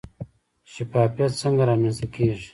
شفافیت څنګه رامنځته کیږي؟